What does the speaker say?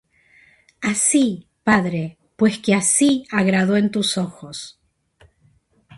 Así, Padre, pues que así agradó en tus ojos.